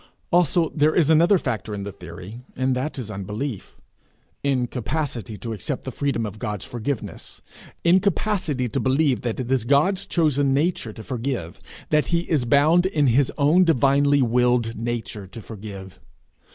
Also there is another factor in the theory, and that is unbelief incapacity to accept the freedom of God's forgiveness; incapacity to believe that it is God's chosen nature to forgive, that he is bound in his own divinely willed nature to forgive.